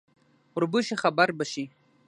ـ وربشې خبر بشې.